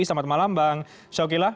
selamat malam bang syaukilah